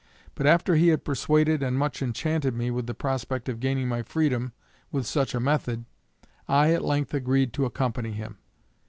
But after he had persuaded and much enchanted me with the prospect of gaining my freedom with such a method, I at length agreed to accompany him.